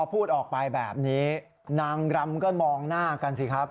พูดออกไปแบบนี้นางรำก็มองหน้ากันสิครับ